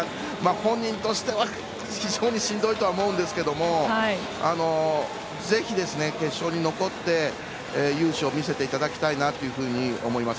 本人として非常にしんどいとは思うんですけれどもぜひ決勝に残って、雄姿を見せていただきたいなと思います。